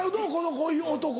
こういう男。